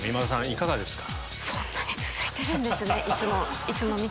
いかがですか？